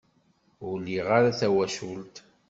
Ur liɣ ara tawacult.